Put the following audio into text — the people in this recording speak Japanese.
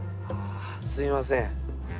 ああすいません。